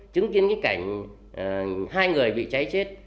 chứng kiến cái cảnh hai người bị cháy chết